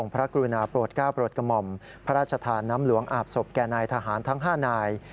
พระราชทานำหลวงอาบศพแก่นายทหารทั้ง๕นาย